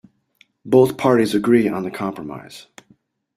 Both parties agree on the compromise.